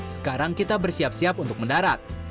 sekarang kita bersiap siap untuk mendarat